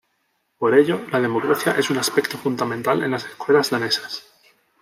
Por ello, la democracia es un aspecto fundamental en las escuelas danesas.